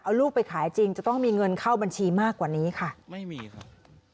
เอาลูกไปขายจริงจะต้องมีเงินเข้าบัญชีมากกว่านี้ค่ะไม่มีครับ